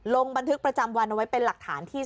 ลงบันทึกประจำวันเอาไว้เป็นหลักฐานที่